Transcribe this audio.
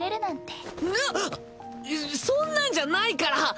そそんなんじゃないから！